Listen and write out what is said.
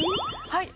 「はい」